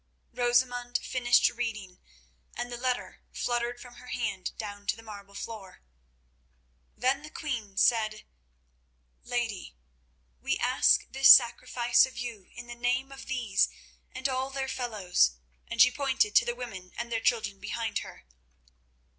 Rosamund finished reading, and the letter fluttered from her hand down to the marble floor. Then the queen said: "Lady, we ask this sacrifice of you in the name of these and all their fellows," and she pointed to the women and the children behind her.